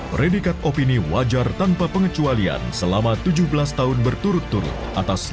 peredikat opini wajar tanpa pengecualian selama tujuh belas tahun berturut turut atas lalui bank indonesia